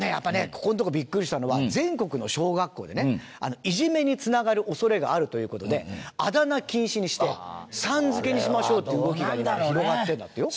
ここのとこびっくりしたのは全国の小学校でねいじめにつながる恐れがあるという事であだ名禁止にして「さん」付けにしましょうっていう動きが広がってるんだってよ。